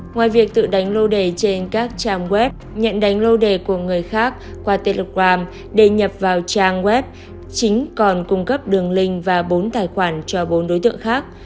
ngoài việc tự đánh lô đề trên các trang web nhận đánh lô đề của người khác qua telegram để nhập vào trang web chính còn cung cấp đường link và bốn tài khoản cho bốn đối tượng khác